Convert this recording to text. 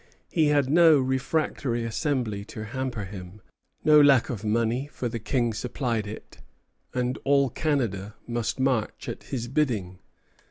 He had no refractory assembly to hamper him; no lack of money, for the King supplied it; and all Canada must march at his bidding.